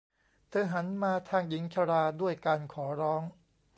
เธอหันมาทางหญิงชราด้วยการขอร้อง